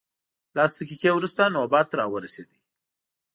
لس دقیقې وروسته نوبت راورسېد.